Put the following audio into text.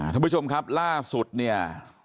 ท่านผู้ชมครับล่าสุดเนี่ย